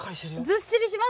ずっしりします？